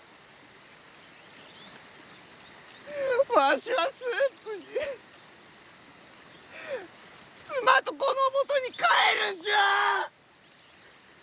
わしは駿府に妻と子のもとに帰るんじゃあ。